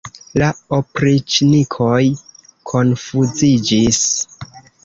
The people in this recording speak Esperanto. La opriĉnikoj konfuziĝis.